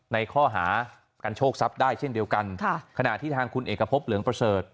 ในข้อหากันโชคทรัพย์ได้เช่นเดียวกันค่ะขณะที่ทางคุณเอกพบเหลืองประเสริฐ